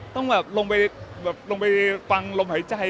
ต้องอย่างลงไปฟังลมหายใจ